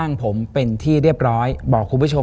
และในค่ำคืนวันนี้แขกรับเชิญที่มาเยี่ยมสักครั้งครับ